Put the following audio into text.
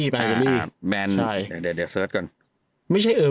เป็นแบนของอิตาลี